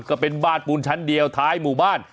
ก็เป็นบ้านปูนชั้นเดียวท้ายหมู่บ้าน